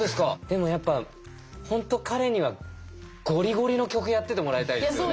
でもやっぱ本当彼にはゴリゴリの曲やっててもらいたいですね。